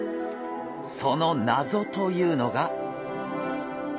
その謎というのが。